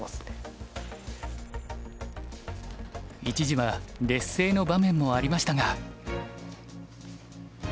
一時は劣勢の場面もありましたが。